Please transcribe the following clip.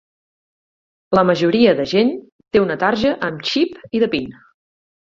La majoria de gent té una tarja amb xip i de pin.